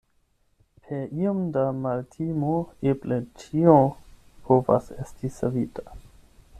Per iom da maltimo eble ĉio povas esti savita.